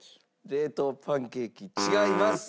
冷凍パンケーキ違います。